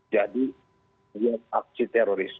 jadi dia aksi teroris